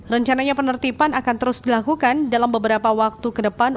rencananya penertiban akan terus dilakukan dalam beberapa waktu ke depan